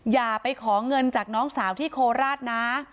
อย่าไปขอเงินจากน้องสาวที่โคราชนะ